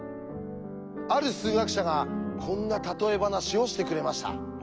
ある数学者がこんな例え話をしてくれました。